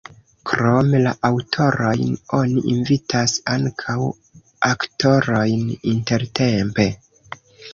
Krom la aŭtorojn oni invitas ankaŭ aktorojn intertempe.